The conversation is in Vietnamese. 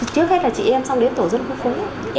trước hết là chị em xong đến tổ dân khu phố